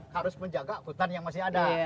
harus menjaga hutan yang masih ada